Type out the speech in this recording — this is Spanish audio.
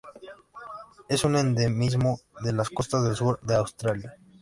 Es un endemismo de las costas del sur de Australia.